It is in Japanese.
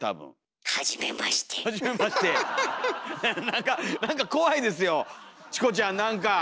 何か何か怖いですよチコちゃん何か！